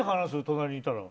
隣にいたら。